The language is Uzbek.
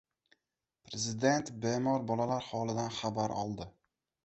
Prezident bemor bolalar holidan xabar oldi